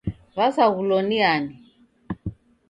W'asaghulo ni ani?